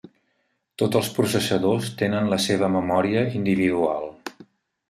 Tots els processadors tenen la seva memòria individual.